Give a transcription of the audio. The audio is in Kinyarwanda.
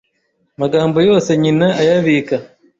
magambo yose nyina ayabika